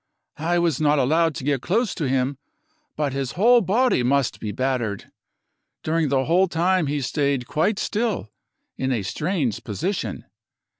I was not allowed to get close to him, :] but his whole body must be battered ; during the whole time he stayed quite still in a strange position.